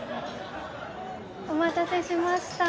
お待たせしましたー